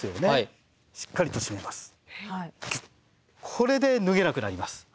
これで脱げなくなります。